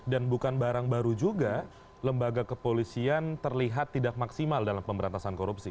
dan bukan barang baru juga lembaga kepolisian terlihat tidak maksimal dalam pemberantasan korupsi